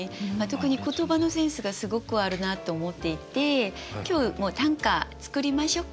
特に言葉のセンスがすごくあるなと思っていて今日もう短歌作りましょっか。